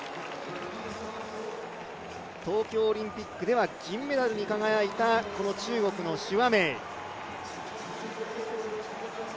東京オリンピックでは銀メダルに輝いた中国の朱亜明。